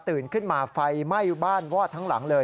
ขึ้นมาไฟไหม้บ้านวอดทั้งหลังเลย